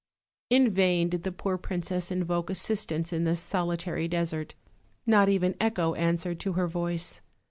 In vain did the poor princess invoke assistance in this solitary desert; not even echo answered to her voice.